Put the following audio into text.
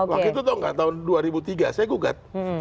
waktu itu nggak tahun dua ribu tiga saya gugat